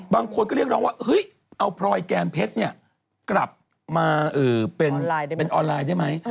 บางคนก็เรียกร้องว่าเฮ้ยเอาพรอยแกมเพชรกลับมาเป็นออนไลน์ได้ไหม